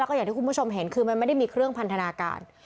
แล้วก็อย่างที่คุณผู้ชมเห็นคือมันไม่ได้มีเครื่องพันธนาการ